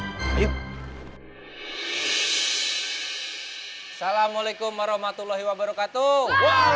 assalamualaikum warahmatullahi wabarakatuh